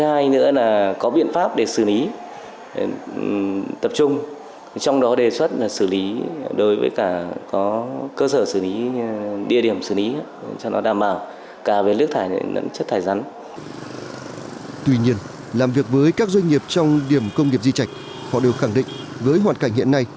họ đều khẳng định với hoàn cảnh hiện nay